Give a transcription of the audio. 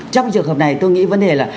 trong trường hợp này tôi nghĩ vấn đề là